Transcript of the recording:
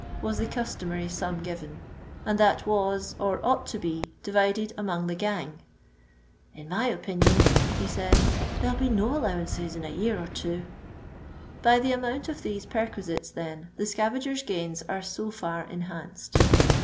was the customary ram given, and that was, or ought to be, divided among the gang. In my opinion," he said, " then 11 be no allowances in a year or two." By the amooBt of these perquisites, then, the scavagers' gaini an so far enhanced.